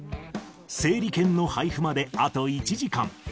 整理券の配布まであと１時間。